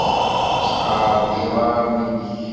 Sseqɛed iḍarren-nnek.